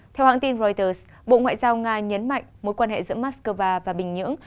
theo hãng tin reuters bộ ngoại giao nga nhấn mạnh mối quan hệ giữa moscow và bình nhưỡng